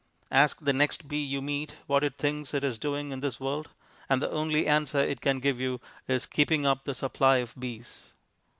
Ask the next bee you meet what it thinks it is doing in this world, and the only answer it can give you is, "Keeping up the supply of bees."